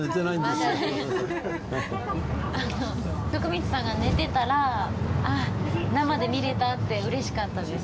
徳光さんが寝てたらああ生で見れたって嬉しかったです。